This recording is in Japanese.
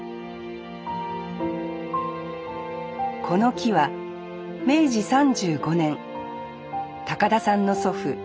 この木は明治３５年田さんの祖父